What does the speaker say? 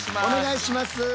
お願いします。